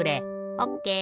オッケー！